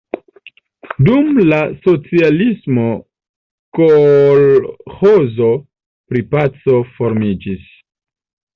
Dum la socialismo kolĥozo pri Paco formiĝis.